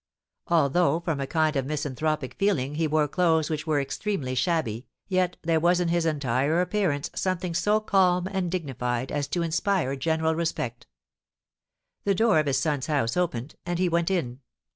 Although from a kind of misanthropic feeling he wore clothes which were extremely shabby, yet there was in his entire appearance something so calm and dignified as to inspire general respect. The door of his son's house opened, and he went in.